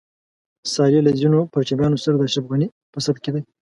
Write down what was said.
صالح له ځینو پرچمیانو سره د اشرف غني په صف کې دی.